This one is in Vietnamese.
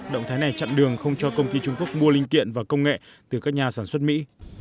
động thái này chặn đường không cho công ty trung quốc mua linh kiện và công nghệ từ các nhà sản xuất mỹ